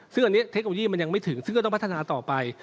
ซึ่งอันนี้เทคโนโลยีมันยังไม่ถึงซึ่งก็ต้องพัฒนาต่อไป